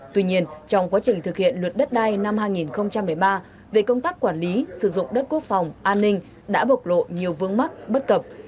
tuy nhiên trong quá trình thực hiện luật đất đai năm hai nghìn một mươi ba về công tác quản lý sử dụng đất quốc phòng an ninh đã bộc lộ nhiều vương mắc bất cập